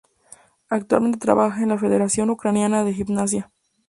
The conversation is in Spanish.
Actualmente trabaja en la Federación Ucraniana de Gimnasia.